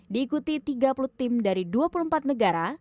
diikuti tiga puluh tim dari dua puluh empat negara